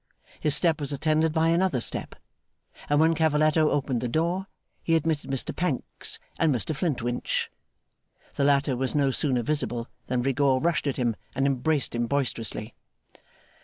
His step was attended by another step; and when Cavalletto opened the door, he admitted Mr Pancks and Mr Flintwinch. The latter was no sooner visible, than Rigaud rushed at him and embraced him boisterously.